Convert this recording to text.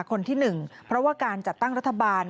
คนที่๑เพราะว่าการจัดตั้งรัฐบาล